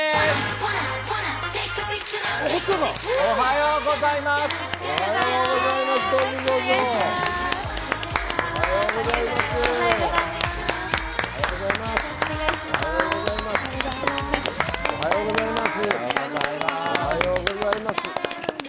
おはようございます。